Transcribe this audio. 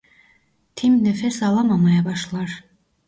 Tim nefes alamamaya başlar.